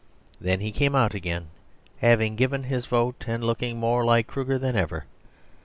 Then he came out again, having given his vote and looking more like Kruger than ever.